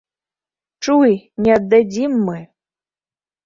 Чуй, не аддадзім мы!